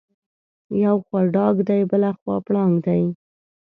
یو خوا ډاګ دی بلخوا پړانګ دی.